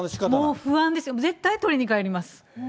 不安ですよ、取りに帰ります。